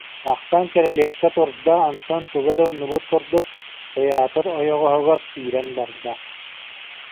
Тахсан кирилиэскэ турда, онтон, тугу эрэ умнубут курдук, театр ойоҕоһугар сүүрэн барда